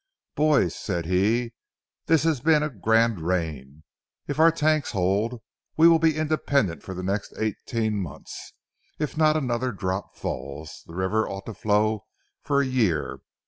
"Boys," said he, "this has been a grand rain. If our tanks hold, we will be independent for the next eighteen months, and if not another drop falls, the river ought to flow for a year.